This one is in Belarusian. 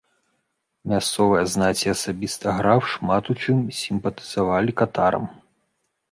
Мясцовая знаць і асабіста граф шмат у чым сімпатызавалі катарам.